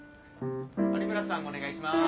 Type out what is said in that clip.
有村さんお願いします。